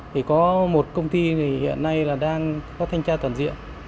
thì có một công ty thì hiện nay là đang có thanh tra toàn diện